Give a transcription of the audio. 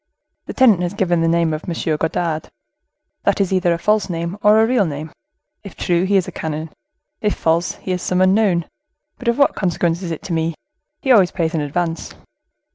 The tenant has given the name of M. Godard. That is either a false name or a real name; if true, he is a canon; if false, he is some unknown; but of what consequence is it to me? he always pays in advance.